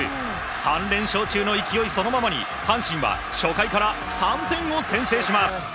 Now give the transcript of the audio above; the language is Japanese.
３連勝中の勢いそのままに阪神は初回から３点を先制します。